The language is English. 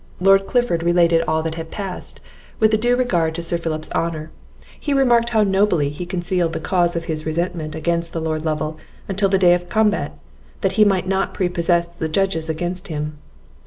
Lord Clifford related all that had passed, with the due regard to Sir Philip's honour; he remarked how nobly he concealed the cause of his resentment against the Lord Lovel till the day of combat, that he might not prepossess the judges against him.